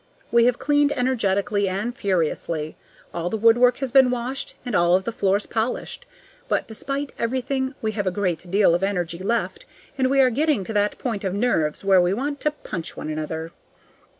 We have cleaned energetically and furiously. All the woodwork has been washed, and all of the floors polished. But despite everything, we have a great deal of energy left, and we are getting to that point of nerves where we want to punch one another.